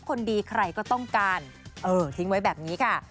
คนดีใครก็ต้องการเออทิ้งไว้แบบนี้ค่ะ